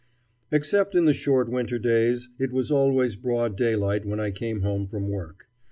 Except in the short winter days it was always broad daylight when I came home from work.